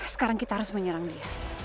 sekarang kita harus menyerang dia